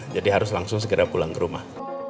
jadi harus langsung segera pulang ke rumah